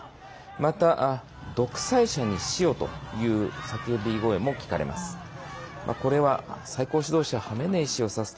また、独裁者に死をという叫び声も聞かれます。